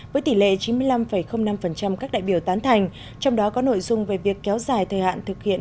với tỷ lệ chín mươi năm năm các đại biểu tán thành trong đó có nội dung về việc kéo dài thời hạn thực hiện